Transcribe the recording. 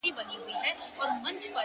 زه له خپلي ډيري ميني ورته وايم ـ